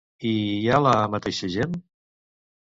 I hi ha la mateixa gent?